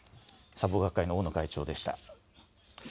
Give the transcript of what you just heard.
砂防学会の大野会長でした。